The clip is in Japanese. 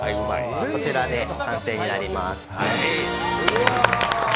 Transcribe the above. こちらで完成になります。